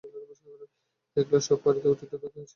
একলা সব পারিয়া উঠিত না, সেজন্য তাহাকে লোক রাখিতে হইয়াছিল।